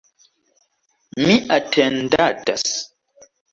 Mi atendadas.